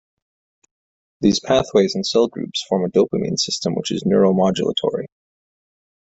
These pathways and cell groups form a dopamine system which is neuromodulatory.